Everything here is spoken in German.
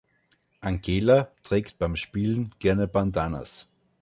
Angela trägt beim Spielen gerne Bandanas.